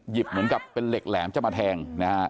หยิบเหมือนกับเป็นเหล็กแหลมจะมาแทง